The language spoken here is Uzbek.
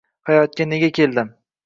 Hayotga nega keldim?